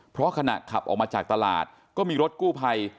เพราะขณะขับออกมาจากตลาดก็มีรถกู้ภัย